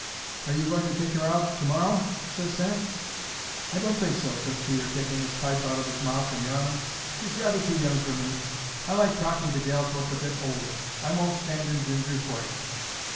"Are you going to take 'er out to morrow?" ses Sam. "I don't think so," ses Peter, taking 'is pipe out of 'is mouth and yawning. "She's rather too young for me; I like talking to gals wot's a bit older. I won't stand in Ginger's way."